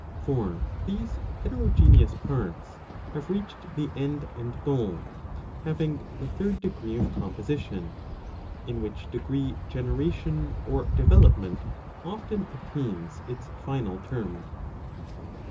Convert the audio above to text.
'' For these heterogeneous parts have reached the end and goal, having the third degree of composition, in which degree generation or development often attains its final term.